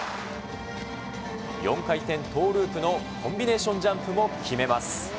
４回転トーループのコンビネーションジャンプも決めます。